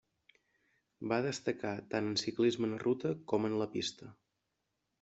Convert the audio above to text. Va destacar tant en ciclisme en ruta com en la pista.